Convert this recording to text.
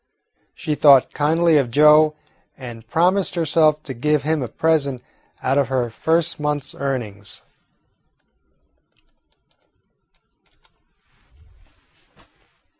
She thought kindly of Joe, and promised herself to give him a present out of her first month's earnings.